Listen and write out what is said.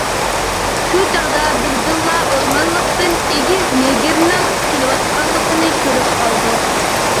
شۇ چاغدا بىردىنلا ئورمانلىقتىن ئېگىز نېگىرنىڭ كېلىۋاتقانلىقىنى كۆرۈپ قالدۇق.